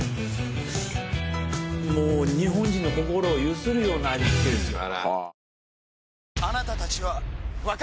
もう日本人の心を揺するような味付けですよ。